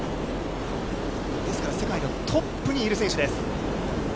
ですから世界ではトップにいる選手です。